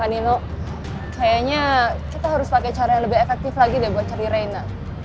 nino kayaknya kita harus pakai cara yang lebih efektif lagi deh buat cari reina